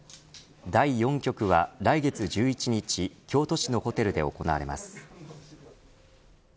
第４局は来月１１日京都市のホテルで行われます。